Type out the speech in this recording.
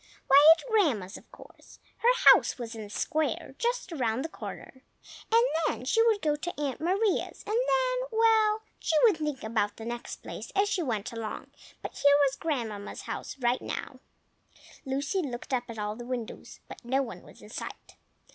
Why, at Grandma's, of course! her house was in the square, just round the corner. And then she would go to Aunt Maria's, and then,—well, she would think about the next place as she went along, but here was Grandmamma's house now. Lucy looked up at all the windows, but no one was in sight.